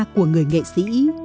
của người nghệ sĩ